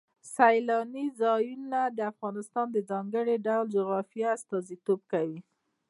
سیلانی ځایونه د افغانستان د ځانګړي ډول جغرافیه استازیتوب کوي.